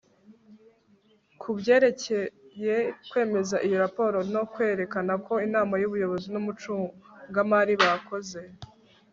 ku byerekeye kwemeza iyo raporo no kwerekana ko inama y'ubuyobozi n'umucungamari bakoze